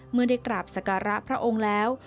เมื่อได้กราบสการะพระองค์แล้ว